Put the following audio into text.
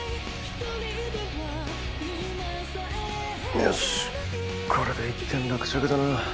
よしこれで一件落着だな。